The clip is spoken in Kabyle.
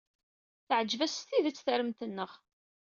Teɛjeb-aɣ s tidet tremt-nneɣ.